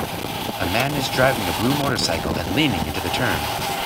A man is driving a blue motorcycle and leaning into the turn.